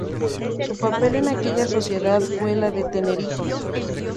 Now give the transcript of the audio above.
Su papel en aquella sociedad fue la de tener hijos.